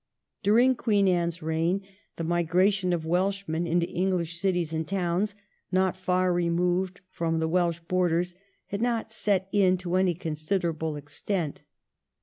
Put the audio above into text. During Queen Anne's reign the migration of Welshmen into English cities and towns not far removed from the Welsh borders had not set in to any considerable extent.